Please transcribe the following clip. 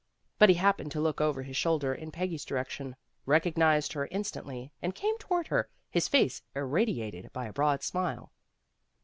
But he happened to look over his shoulder in Peggy's direction, recognized her instantly, and came toward her, his face irradiated by a broad smile.